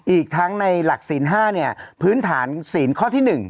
อีกทั้งในหลักศีล๕พื้นฐานศีลข้อที่๑